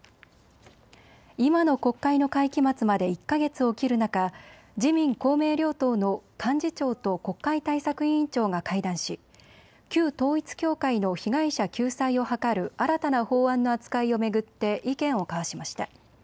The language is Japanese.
今の国会の会期末まで１か月を切る中、自民公明両党の幹事長と国会対策委員長が会談し旧統一教会の被害者救済を図る新たな法案の扱いを巡って意見を交わしました。